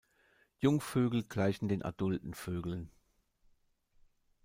Jungvögel gleichen den adulten Vögeln.